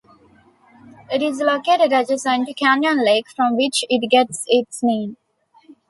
It is located adjacent to Canyon Lake, from which it gets its name.